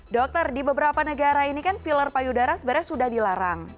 dokter di beberapa negara ini kan filler payudara sebenarnya sudah dilarang